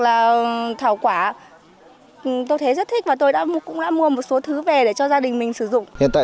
là thảo quả tôi thấy rất thích và tôi đã mua một số thứ về để cho gia đình mình sử dụng hiện tại